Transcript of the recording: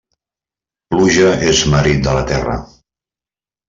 Pluja és marit de la terra.